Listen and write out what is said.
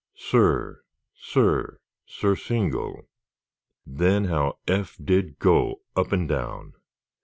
Sir, sir, surcingle! Then how Eph did go up and down!